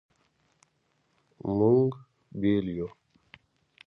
مونږ بیل یو